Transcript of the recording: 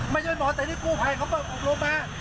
ไม่ใช่หมอแต่นี่กู้ภัยเขาเปิดบุคลุมแม้